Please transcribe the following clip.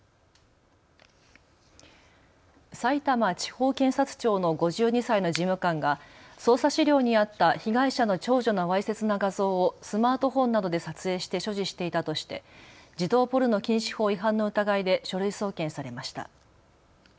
さいたま地方検察庁の５２歳の事務官が捜査資料にあった被害者の少女のわいせつな画像をスマートフォンなどで撮影して所持していたとして児童ポルノ禁止法違反の疑いで書類送検されました。